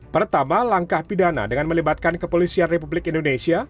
pertama langkah pidana dengan melibatkan kepolisian republik indonesia